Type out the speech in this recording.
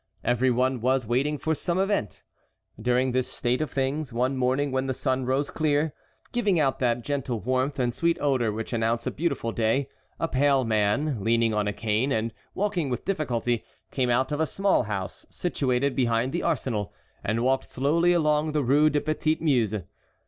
Every one was waiting for some event. During this state of things, one morning when the sun rose clear, giving out that gentle warmth and sweet odor which announce a beautiful day, a pale man, leaning on a cane, and walking with difficulty, came out of a small house situated behind the arsenal, and walked slowly along the Rue du Petit Muse.